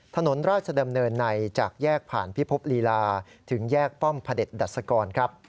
ถนนราชดำเนินในจากแยกผ่านพิภพลีลาถึงแยกป้อมพระเด็จดัชกรครับ